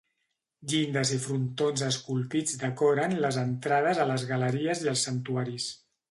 Llindes i frontons esculpits decoren les entrades a les galeries i els santuaris.